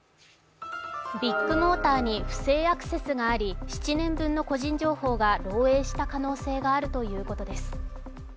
ビッグモーターに不正アクセスがあり７年分の個人情報が漏えいした可能性があるということです。